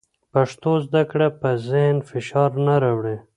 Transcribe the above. پښتو زده کړه په ذهن فشار نه راوړي.